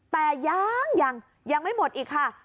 แต่ยังยังยังไม่หมดอีกค่ะ